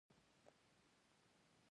هغه نن په بازار کې ډېر ساده توکي واخيستل.